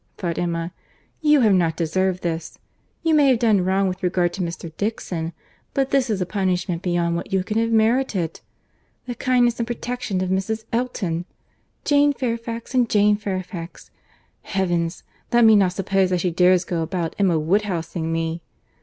—thought Emma.—"You have not deserved this. You may have done wrong with regard to Mr. Dixon, but this is a punishment beyond what you can have merited!—The kindness and protection of Mrs. Elton!—'Jane Fairfax and Jane Fairfax.' Heavens! Let me not suppose that she dares go about, Emma Woodhouse ing me!